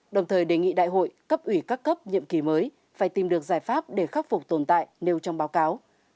đồng thời đề nghị đại hội cấp ủy các cấp nhiệm kỳ mới phải tìm được giải pháp để khắc phục tồn tại nêu trong báo cáo